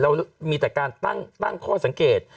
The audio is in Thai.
เรามีแต่การตั้งข้อสังเกต